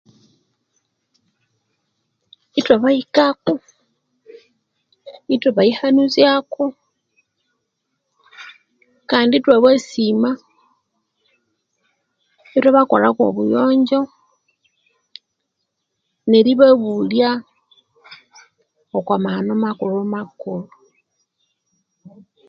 Ithwabahikako Ithwabayihanuzyako kandi ithwabasima ithwabakolhako obuyonjjo neribabulya okumahano makulhu makulhu